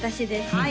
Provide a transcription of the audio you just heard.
はい